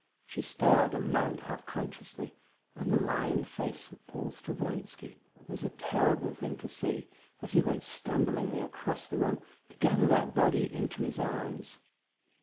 She stirred and moaned half consciously.... And the lined face of Paul Stravoinski was a terrible thing to see as he went stumblingly across the room to gather that body into his arms.